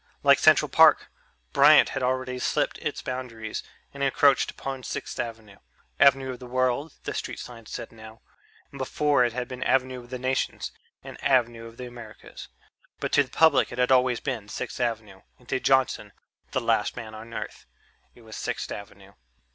Like Central Park, Bryant had already slipped its boundaries and encroached upon Sixth Avenue Avenue of the World, the street signs said now, and before that it had been Avenue of the Nations and Avenue of the Americas, but to the public it had always been Sixth Avenue and to Johnson, the last man on Earth, it was Sixth Avenue.